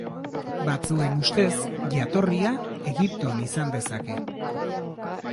Batzuen ustez, jatorria Egipton izan dezake.